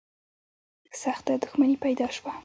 سخته دښمني پیدا شوه